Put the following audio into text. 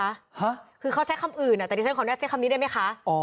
ฮะคือเขาใช้คำอื่นอ่ะแต่ดิฉันขออนุญาตใช้คำนี้ได้ไหมคะอ๋อ